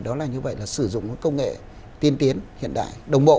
đó là sử dụng công nghệ tiên tiến hiện đại đồng bộ